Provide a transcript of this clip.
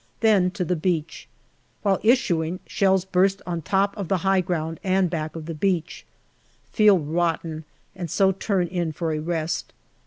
Then to the beach. While issuing, shells burst on the top of the high ground and back of the beach. Feel rotten, and so turn in for a rest.